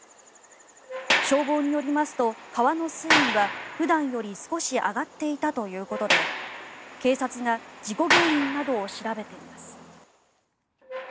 消防によりますと川の水位は普段より少し上がっていたということで警察が事故原因などを調べています。